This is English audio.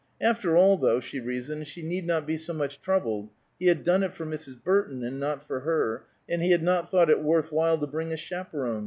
After all, though, she reasoned, she need not be so much troubled: he had done it for Mrs. Burton, and not for her, and he had not thought it worth while to bring a chaperon.